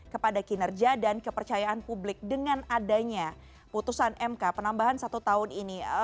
kepada kinerja dan kepercayaan publik dengan adanya putusan mk penambahan satu tahun ini